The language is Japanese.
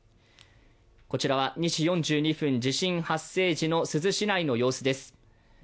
こちらは２時４２分、地震発生時の珠洲市内の様子です。